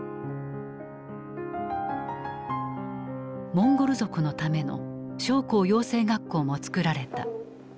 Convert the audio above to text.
モンゴル族のための将校養成学校もつくられた。